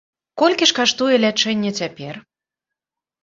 Колькі ж каштуе лячэнне цяпер?